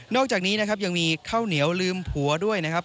อกจากนี้นะครับยังมีข้าวเหนียวลืมผัวด้วยนะครับ